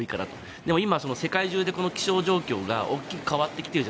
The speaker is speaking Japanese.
でも、世界中でも気象状況が大きく変わってきてますね。